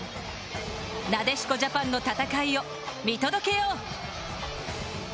なでしこジャパンの戦いを見届けよう！